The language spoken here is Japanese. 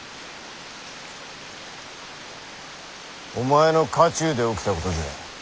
お前の家中で起きたことじゃ。